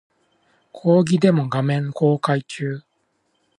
講義デモ画面公開中